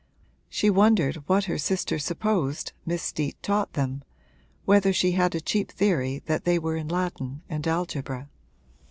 She wondered what her sister supposed Miss Steet taught them whether she had a cheap theory that they were in Latin and algebra.